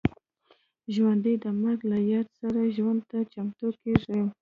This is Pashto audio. ژوندي د مرګ له یاد سره ژوند ته چمتو کېږي